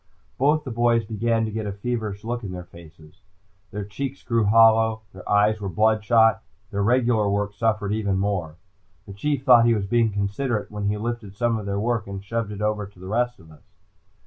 Both the boys began to get a feverish look in their faces. Their cheeks grew hollow. Their eyes were bloodshot. Their regular work suffered even more. The Chief thought he was being considerate when he lifted some of their work and shoved it over to the rest of us.